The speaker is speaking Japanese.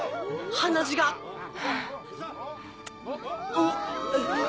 鼻血が！あっ！